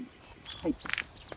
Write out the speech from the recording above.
はい。